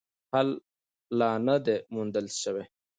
حل لا نه دی موندل سوی.